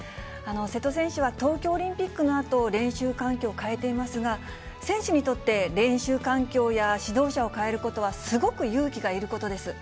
瀬戸選手は東京オリンピックのあと、練習環境を変えていますが、選手にとって練習環境や指導者を変えることは、すごく勇気がいることです。